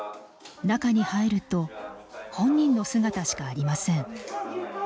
中に入ると本人の姿しかありません。